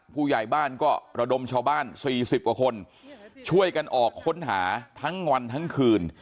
ผู้ใหญ่บ้านก็ระดมชาวบ้าน๔๐กว่าคนช่วยกันออกค้นหาทั้งวันทั้งคืน